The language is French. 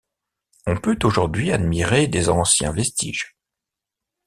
On peut aujourd'hui admirer des anciens vestiges.